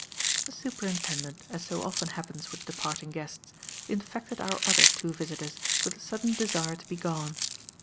The Superintendent, as so often happens with departing guests, infected our other two visitors with a sudden desire to be gone.